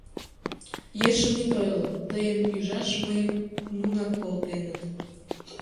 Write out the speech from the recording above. Ешым ит ойло; тыйым ӱжаш мыйым нунак колтеныт.